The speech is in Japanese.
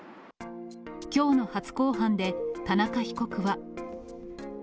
きょうの初公判で、田中被告は。